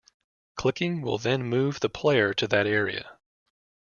Clicking will then move the player to that area.